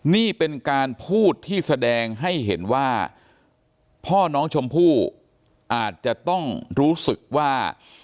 นี่เป็นการพูดที่แสดงให้เห็นว่าพ่อน้องชมพู่อาจจะต้องรู้สึกว่า